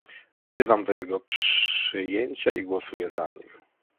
Wzywam do jego przyjęcia i głosuję za nim